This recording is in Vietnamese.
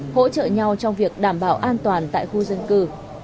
hỗ trợ nhau trong việc đảm bảo an toàn tại khu dân cư